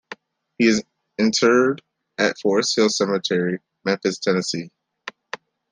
He is interred at Forest Hill Cemetery, Memphis, Tennessee.